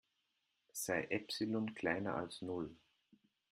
Sei Epsilon kleiner als Null.